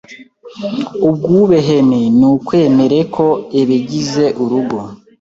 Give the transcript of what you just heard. Ubwubehene ni ukwemere ko ebegize urugo